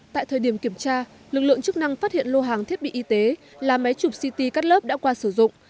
tại thời điểm kiểm tra lực lượng chức năng phát hiện lô hàng thiết bị y tế là máy chụp ct các lớp đã qua sử dụng